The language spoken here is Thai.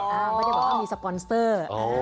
ไม่ได้แบบว่ามีสปอนเซอร์